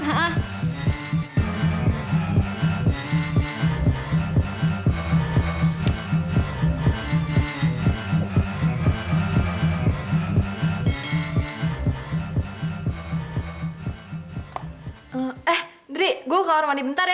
eh diri gua ke kamar mandi bentar ya